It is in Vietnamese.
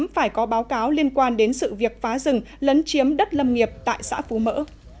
phải có báo cáo liên quan đến sự việc phá rừng lấn chiếm đất lâm nghiệp tại xã phú mỡ